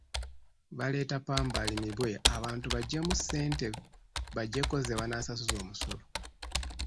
Baleeta ppamba alimibwe abantu baggyemu ssente baggyeko ze banaasasuza omusolo.